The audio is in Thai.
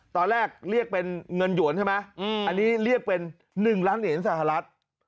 ตอนแรกเรียกเป็นเงินหยวนใช่ไหมอันนี้เรียกเป็น๑ล้านเหรียญสหรัฐ